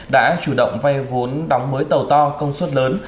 đã chủ động vay vốn đóng mới tàu to công suất lớn